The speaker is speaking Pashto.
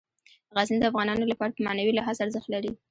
غزني د افغانانو لپاره په معنوي لحاظ ارزښت لري.